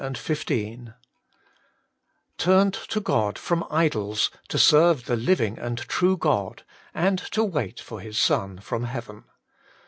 * Turned to God from idols to serve the living and true God, and to wait for His Son from heaven.'